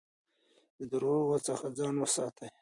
د درواغو څخه ځان وساتئ.